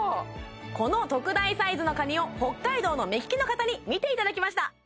この特大サイズのカニを北海道の目利きの方に見ていただきました